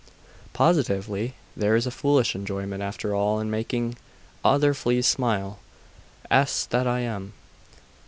'Positively there is a foolish enjoyment after all in making other fleas smile.... Ass that I am!